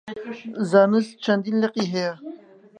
زانست چەندین لقی هەیە.